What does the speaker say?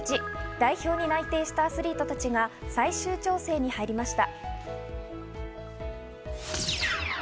代表に内定したアスリートたちが最終調整に入りました。